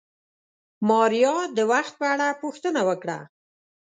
ماريا د وخت په اړه پوښتنه وکړه.